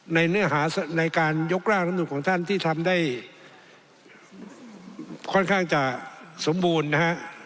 ในการยกร่างรำนูนของท่านที่ทำได้ค่อนข้างจะสมบูรณ์